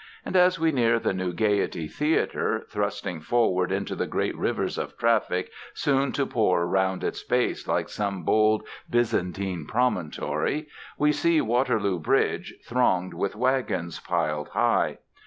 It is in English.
And, as we near the new Gaiety Theatre, thrusting forward into the great rivers of traffic soon to pour round its base like some bold Byzantine promontory, we see Waterloo Bridge thronged with wagons, piled high.